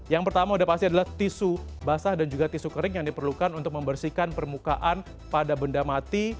yang pertama udah pasti adalah tisu basah dan juga tisu kering yang diperlukan untuk membersihkan permukaan pada benda mati